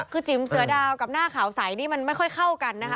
คือจิ๋มเสือดาวกับหน้าขาวใสนี่มันไม่ค่อยเข้ากันนะคะ